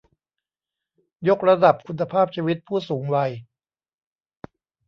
ยกระดับคุณภาพชีวิตผู้สูงวัย